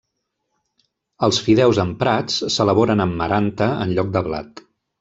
Els fideus emprats s'elaboren amb Maranta en lloc de blat.